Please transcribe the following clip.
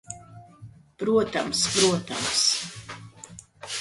Protams, protams...